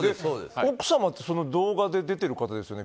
奥様って動画で出てる方ですよね。